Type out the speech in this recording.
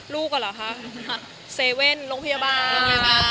ลูกเหรอคะ๗๑๑โรงพยาบาล